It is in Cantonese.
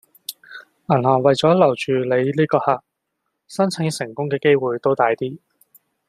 銀行為左留住你呢個客，申請成功嘅機會都大啲